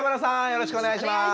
よろしくお願いします。